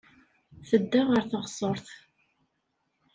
Tedda ɣer teɣsert.